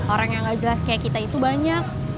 orang yang gak jelas kayak kita itu banyak